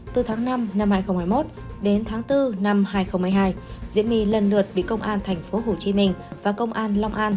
từ tháng năm năm hai nghìn hai mươi một đến tháng bốn năm hai nghìn hai mươi hai diễm my lần lượt bị công an tp hcm và công an long an